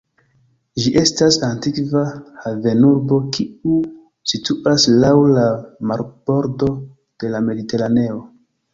Ĝi estas antikva havenurbo kiu situas laŭ la marbordo de la Mediteraneo.